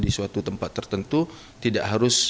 di suatu tempat tertentu tidak harus